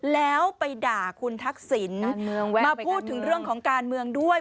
แล้วไปด่าคุณทักษิณมาพูดถึงเรื่องของการเมืองด้วย